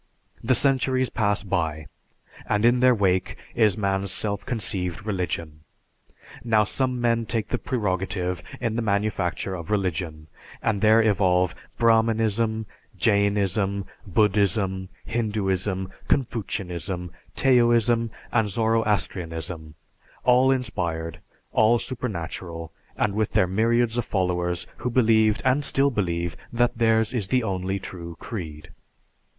The centuries pass by, and in their wake is man's self conceived religion. Now, some men take the prerogative in the manufacture of religion, and there evolve Brahmanism, Jainism, Buddhism, Hinduism, Confucianism, Taoism, and Zoroastrianism, all inspired, all supernatural, and with their myriads of followers who believed and still believe that theirs is the only true creed.